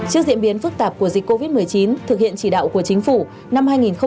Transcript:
trước diễn biến phức tạp của dịch covid một mươi chín thực hiện chỉ đạo của chính phủ